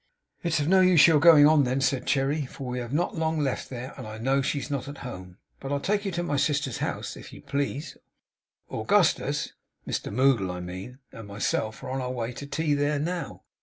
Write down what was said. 'It's of no use your going on, then,' said Cherry, 'for we have not long left there; and I know she is not at home. But I'll take you to my sister's house, if you please. Augustus Mr Moddle, I mean and myself, are on our way to tea there, now.